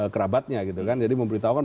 kerabatnya gitu kan jadi memberitahukan